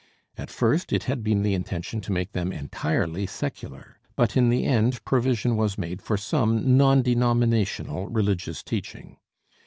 At first it had been the intention to make them entirely secular, but in the end provision was made for some non denominational religious teaching.